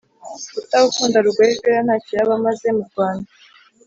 Utagukunda Rugori rweraNtacyo yaba amaze mu Rwanda